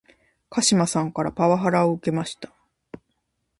鹿島さんからパワハラを受けました